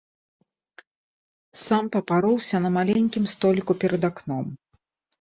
Сам папароўся на маленькім століку перад акном.